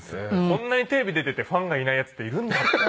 こんなにテレビ出ててファンがいないヤツっているんだって。